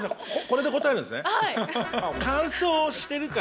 これで答えるんですね？